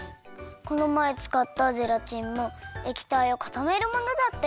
このまえつかったゼラチンもえきたいをかためるものだったよね？